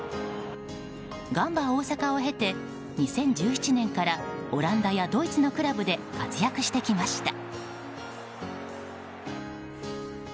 ガンバ大阪を経て２０１７年からオランダやドイツのクラブで活躍してきました。